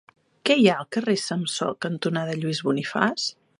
Què hi ha al carrer Samsó cantonada Lluís Bonifaç?